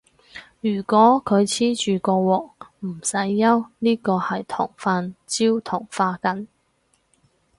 如果佢黐住個鑊，唔使憂，呢個係糖分焦糖化緊